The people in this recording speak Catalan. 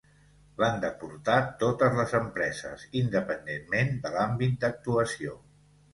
L'han d'aportar totes les empreses, independentment de l'àmbit d'actuació.